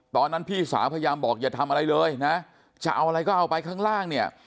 พี่สาวพยายามบอกอย่าทำอะไรเลยนะจะเอาอะไรก็เอาไปข้างล่างเนี่ย